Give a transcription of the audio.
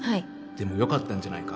でもよかったんじゃないか？